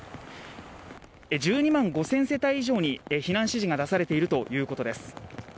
１２万５０００世帯以上に避難指示が出されているということです。